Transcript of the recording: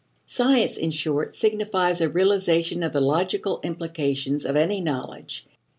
Science, in short, signifies a realization of the logical implications of any knowledge.